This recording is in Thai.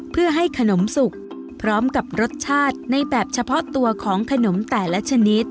เพื่อให้ขนมสุกพร้อมกับรสชาติในแบบเฉพาะตัวของขนมแต่ละชนิด